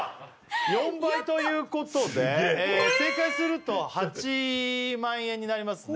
４倍ということですげえ正解すると８万円になりますね